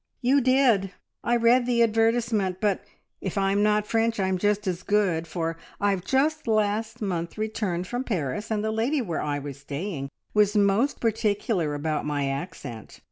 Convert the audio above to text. "You did. I read the advertisement, but if I'm not French I'm just as good, for I've just last month returned from Paris, and the lady where I was staying was most particular about my accent.